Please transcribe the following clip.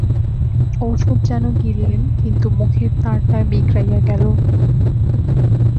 ঔষধ যেন গিলিলেন কিন্তু মুখের তারটা বিগড়াইয়া গেল।